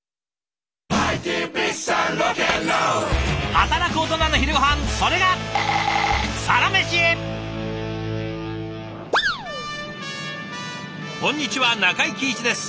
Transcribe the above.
働くオトナの昼ごはんそれがこんにちは中井貴一です。